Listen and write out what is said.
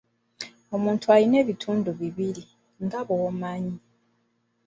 Omuntu alina ebitundu bibiri, nga bw'omanyi.